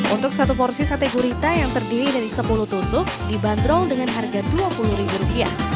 untuk satu porsi sate gurita yang terdiri dari sepuluh tusuk dibanderol dengan harga rp dua puluh